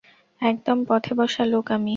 একদম পথে বসা লোক আমি।